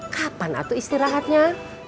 kapan atuh istirahatnya